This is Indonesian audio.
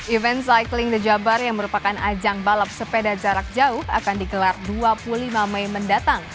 event cycling the jabar yang merupakan ajang balap sepeda jarak jauh akan digelar dua puluh lima mei mendatang